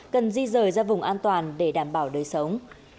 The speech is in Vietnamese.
cần di rời ra vùng an toàn để đảm bảo đời sống